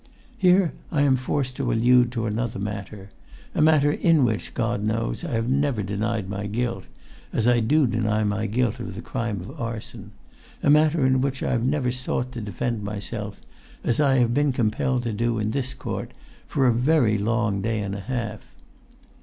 "Here I am forced to allude to another matter: a matter in which, God knows, I have never denied my guilt, as I do deny my guilt of the crime of arson: a matter in which I have never sought to defend myself, as I have been compelled to do in this court for a very long day and a half.